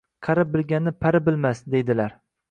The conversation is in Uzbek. Qari bilganni pari bilmas, deydilar